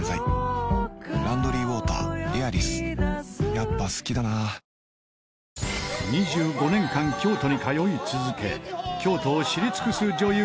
やっぱ好きだな２５年間京都に通い続け京都を知り尽くす女優